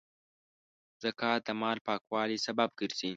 زکات د مال پاکوالي سبب ګرځي.